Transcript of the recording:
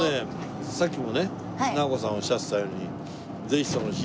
さっきもね直子さんおっしゃってたようにぜひ。